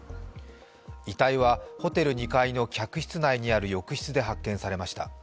遺体はホテル２階の客室内の浴室で発見されました。